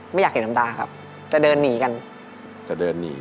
ไม่อยากเห็นน้ำตาครับจะเดินหนีกันจะเดินหนี